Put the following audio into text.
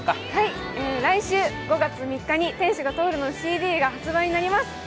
来週５月３日に「天使が通る」のＣＤが発売になります。